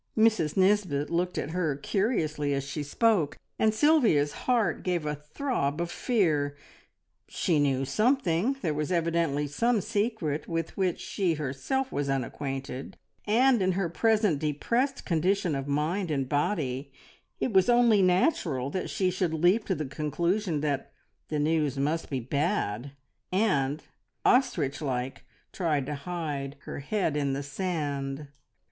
Mrs Nisbet looked at her curiously as she spoke, and Sylvia's heart gave a throb of fear. She knew something; there was evidently some secret with which she herself was unacquainted, and in her present depressed condition of mind and body it was only natural that she should leap to the conclusion that the news must be bad, and, ostrich like, tried to hide her head in the sand.